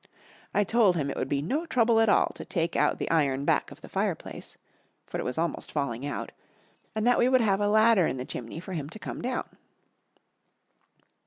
I told him it would be no trouble at all to take out the iron back of the fireplace, for it was almost falling out, and that we would have a ladder in the chimney for him to come down.